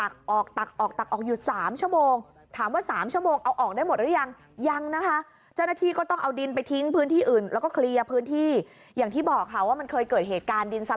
แขวงการทางรณ